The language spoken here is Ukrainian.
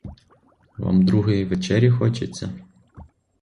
Вам другої вечері хочеться?